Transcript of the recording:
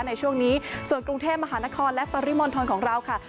ในช่วงนี้ส่วนกรุงเทพมหานครและปริมณฑลของเราค่ะ